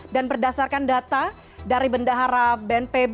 dan berdasarkan data dari bendahara bnpb